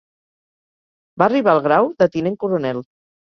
Va arribar el grau de tinent coronel.